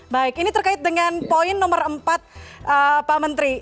baik ini terkait dengan poin nomor empat pak menteri